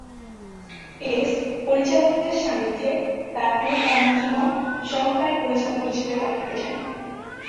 S পরিচালকদের সান্নিধ্যে তার পুরো কর্মজীবন সহকারী পরিচালক হিসাবে কাটিয়েছেন।